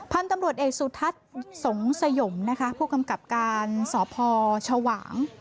พันธุ์ตำรวจเอกสุทัศน์สงสยมนะคะผู้กำกับการสพชวาง